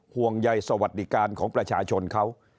ห่วงใยสวัสดิการของประชาชนเขา